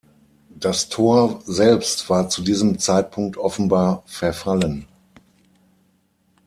Das Tor selbst war zu diesem Zeitpunkt offenbar verfallen.